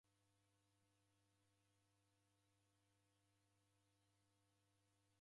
Omoni wauza nyama ya mburi iekeri.